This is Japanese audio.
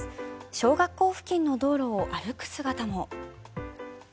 小学校付近の道路を歩く姿も。